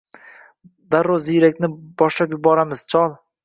darrov zirvakni boshlab yuboramiz chol